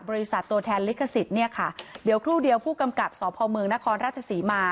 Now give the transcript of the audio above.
บริษัทโตแทนลิขสิทธิ์เนี้ยค่ะเดี๋ยวครูเดียวผู้กำกับสอบภาวเมืองนครราชสีมา